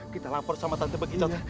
kita lapor sama tante begitu